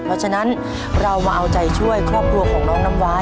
เพราะฉะนั้นเรามาเอาใจช่วยครอบครัวของน้องน้ำว้าย